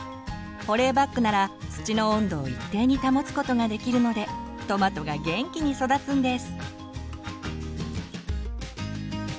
保冷バッグなら土の温度を一定に保つことができるのでトマトが元気に育つんです。